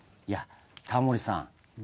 いやタモリさん